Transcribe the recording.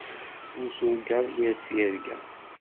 Ur turgaḍ yir tirga.